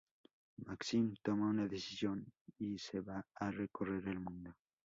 Maxim toma una decisión y se va a recorrer el mundo.